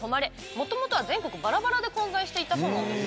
もともとは全国ばらばらで混在していたそうなんです。